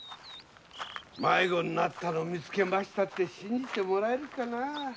迷子になったのを見つけましたなんて信じてもらえるかな。